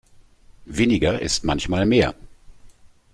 Weniger ist manchmal mehr.